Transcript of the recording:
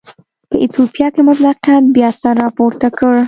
په ایتوپیا کې مطلقیت بیا سر راپورته کړ.